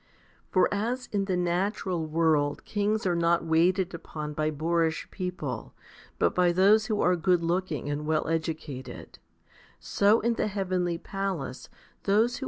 45. For as in the natural world kings are not waited upon by boorish people, but by those who are go*bd looking and well educated, so in the heavenly palace those who wait 1 John iii.